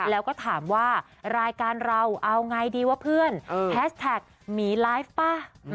แล้วก็ถามว่ารายการเราเอาไงดีวะเพื่อนแฮชแท็กหมีไลฟ์ป่ะ